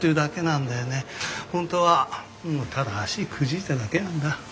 本当はただ足くじいただけなんだ。